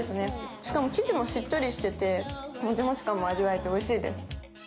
しかも生地がしっとりしてて、もちもち感が味わえて、おいしいです。